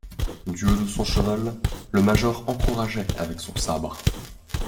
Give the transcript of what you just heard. Du haut de son cheval, le major encourageait avec son sabre.